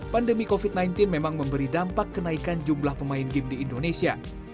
pandemi covid sembilan belas memang memberi dampak kenaikan jumlah pemain game di indonesia